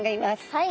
はい。